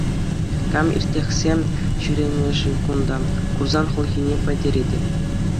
Кам иртӗхсе ҫӳренӗ-ши кунта, курсан хӑлхине пӗтӗретӗп.